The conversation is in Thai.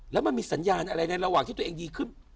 แล้วมันมีสัญญาณอะไรในระหว่างที่ตัวเองดีขึ้น